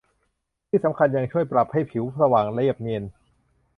ที่สำคัญยังช่วยปรับให้ผิวสว่างเรียบเนียน